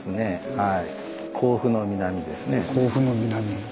はい。